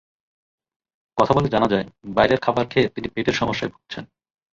কথা বলে জানা যায়, বাইরের খাবার খেয়ে তিনি পেটের সমস্যায় ভুগছেন।